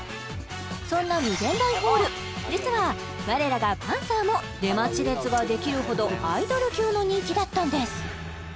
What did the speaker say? そんな∞ホール実は我らがパンサーも出待ち列ができるほどアイドル級の人気だったんです